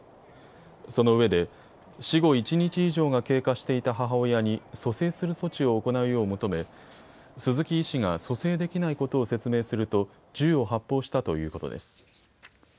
そのうえで死後１日以上が経過していた母親に蘇生する措置を行うよう求め鈴木医師が蘇生できないことを説明すると銃を発砲したということです。